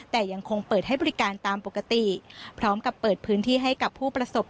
แต่ยังคงเปิดให้บริการตามปกติพร้อมกับเปิดพื้นที่ให้กับผู้ประสบ